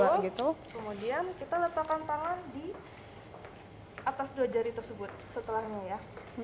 kemudian kita letakkan tangan di atas dua jari tersebut setelahnya ya